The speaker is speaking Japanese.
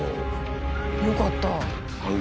よかった。